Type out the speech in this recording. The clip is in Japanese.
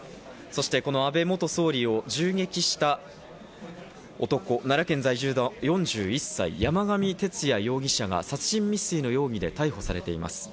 そして、この安倍元総理を銃撃した男、奈良県在住の４１歳、山上徹也容疑者が殺人未遂の容疑で逮捕されています。